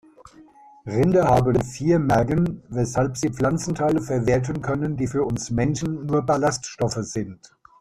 Rinder haben vier Mägen, weshalb sie Pflanzenteile verwerten können, die für uns Menschen nur Ballaststoffe sind.